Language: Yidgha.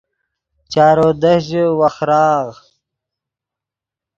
چارو دست ژے وخراغ